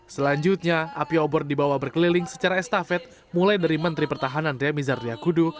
selanjutnya api obor dibawa berkeliling secara estafet mulai dari menteri pertahanan riamizardriakudu